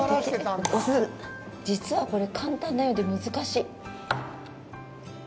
実はこれ、簡単なようで難しい。